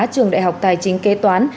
trường đại học tài chính kê toán